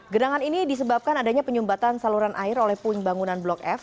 genangan ini disebabkan adanya penyumbatan saluran air oleh puing bangunan blok f